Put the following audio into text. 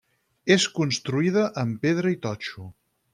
És construïda amb pedra i totxo.